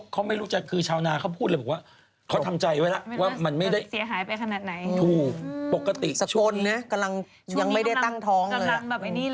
กำลังท้องเลยอะกำลังแบบอันนี้เลยอะ